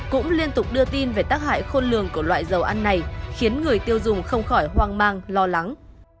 cũng liên tục đưa tin về tác hại khôn lường của loại dầu ăn này khiến người tiêu dùng không khỏi hoang mang lo lắng